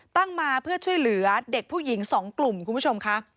มาเพื่อช่วยเหลือเด็กผู้หญิง๒กลุ่มคุณผู้ชมค่ะ